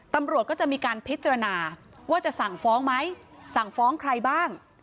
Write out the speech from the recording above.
ตำรวจก็จะมีการพิจารณาว่าจะสั่งฟ้องไหมสั่งฟ้องใครบ้าง